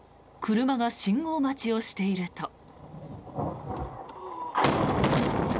車が信号待ちをしていると。